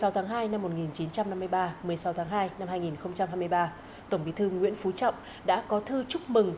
một mươi tháng hai năm một nghìn chín trăm năm mươi ba một mươi sáu tháng hai năm hai nghìn hai mươi ba tổng bí thư nguyễn phú trọng đã có thư chúc mừng